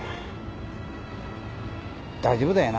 大丈夫だよな？